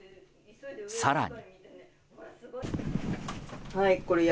更に。